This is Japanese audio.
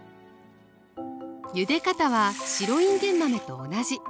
ゆで方は白いんげん豆と同じ。